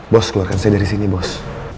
bos keluarkan saya dari sini bos